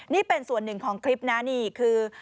นี่เป็นส่วนหนึ่งของคลิปนะนี่คือ